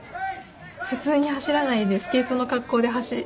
普通に走らないでスケートの格好で走るので。